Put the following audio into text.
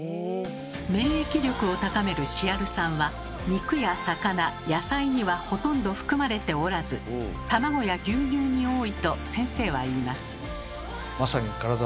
免疫力を高めるシアル酸は肉や魚野菜にはほとんど含まれておらず卵や牛乳に多いと先生は言います。